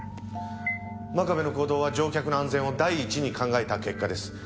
真壁の行動は乗客の安全を第一に考えた結果です。